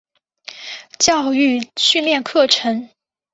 教育训练课程